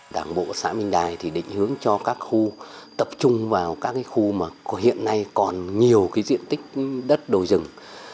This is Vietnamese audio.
đảng bộ xã minh đài thì định hướng cho các khu tập trung vào các khu mà hiện nay còn nhiều cái diện tích đất đồi rừng